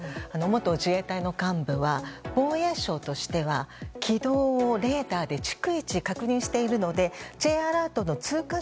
元自衛隊の幹部は防衛省としては軌道をレーダーで逐一確認しているのでＪアラートの通過